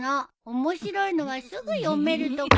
面白いのはすぐに読める所に。